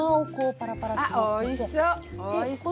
おいしそう！